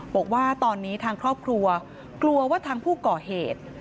บอกว่าตอนนี้ทางครอบครัวกลัวว่าทางผู้ก่อเหตุ